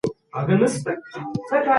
ده وویل چي پښتو زما د مړانې او غیرت نښه ده.